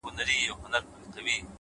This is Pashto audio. عاجزي د لویوالي ښکلی انعکاس دی،